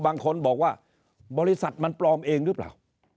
บางคนบอกว่าบริษัทมันปลอมเองหรือเปล่า